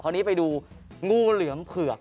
นี้ไปดูงูเหลือมเผือก